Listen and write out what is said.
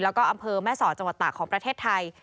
แล้วก็อำเภอแม่สอดจังหวัดตากของประเทศไทย